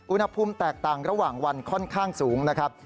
อุณหภูมิแตกต่างระหว่างวันค่อนข้างสูงนะครับ